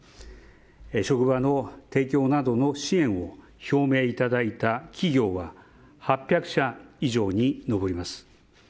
職場の提供などの支援を表明いただいた企業は８００社以上に上ります。